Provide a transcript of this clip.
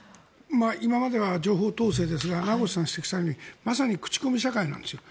今までは情報統制ですが名越さんが指摘されるようにまさに口コミ社会なんですよ。